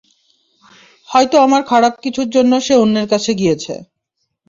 হয়তো আমার খারাপ কিছুর জন্য সে অন্যের কাছে গিয়েছে।